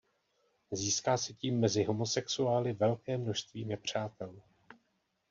Získá si tím mezi homosexuály velké množství nepřátel.